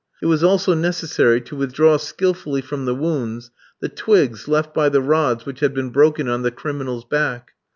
It was also necessary to withdraw skilfully from the wounds the twigs left by the rods which had been broken on the criminal's back.